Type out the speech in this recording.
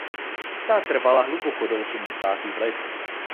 Ta trvala hluboko do osmdesátých let.